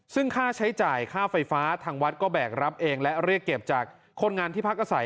ซึ่งค่าใช้จ่ายค่าไฟฟ้าทางวัดก็แบกรับเองและเรียกเก็บจากคนงานที่พักอาศัย